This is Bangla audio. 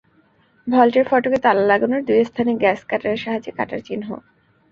ভল্টের ফটকে তালা লাগানোর দুই স্থানে গ্যাস কাটারের সাহায্যে কাটার চিহ্ন।